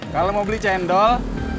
kalau mau beli cendol